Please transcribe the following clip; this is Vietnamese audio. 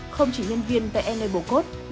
không chỉ nhân viên tại enablecode